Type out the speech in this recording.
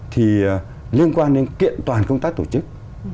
thì liên quan đến kiện toàn công tác tổ chức